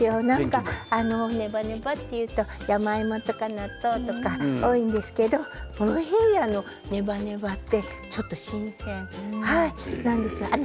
ネバネバというと山芋とか納豆とかが多いんですけどモロヘイヤのネバネバってちょっと新鮮なんです。